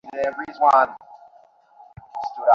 বক্তৃতার সময় মহিলা শ্রোতারা তাঁহাকে ঘন ঘন প্রশ্ন করিতেছিলেন।